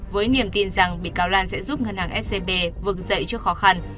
với niềm tin rằng bị cáo lan sẽ giúp ngân hàng scb vực dậy trước khó khăn